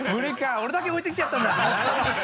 俺だけ置いて来ちゃったんだなるほど。